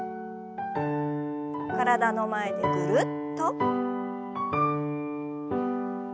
体の前でぐるっと。